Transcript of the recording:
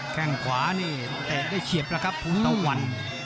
แข้งขวานี่ติ้งได้เฉียบนะครับถูงเทาขวัน